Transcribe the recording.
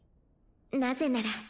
なぜなら